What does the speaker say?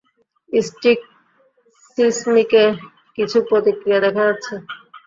Stick, সিসমিকে কিছু প্রতিক্রিয়া দেখা যাচ্ছে।